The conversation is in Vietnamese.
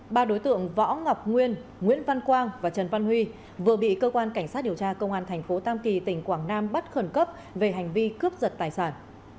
ba đối tượng võ ngọc nguyên nguyễn văn quang và trần văn huy vừa bị cơ quan cảnh sát điều tra công an thành phố tam kỳ tỉnh quảng nam bắt khẩn cấp về hành vi cướp giật tài sản